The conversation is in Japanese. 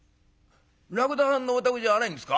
らくださんのお宅じゃないんですか？」。